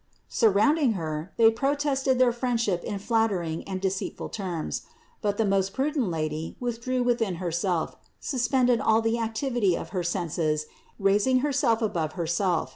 Surrounding Her, they protested their friendship in flat tering and deceitful terms. But the most prudent Lady withdrew within Herself, suspended all the activity of her senses and, raising Herself above Herself (Thren.